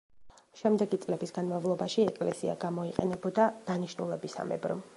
შემდეგი წლების განმავლობაში ეკლესია გამოიყენებოდა დანიშნულებისამებრ.